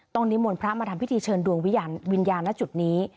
นิมนต์พระมาทำพิธีเชิญดวงวิญญาณณจุดนี้